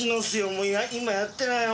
もう今やってないよ。